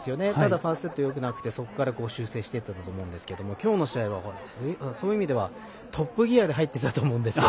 パーセントよくなくてそこから修正していったと思いますけど今日の試合は、そういう意味ではトップギアで入っていたと思うんです。